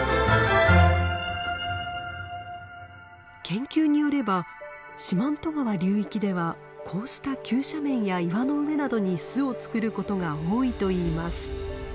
研究によれば四万十川流域ではこうした急斜面や岩の上などに巣を作ることが多いといいます。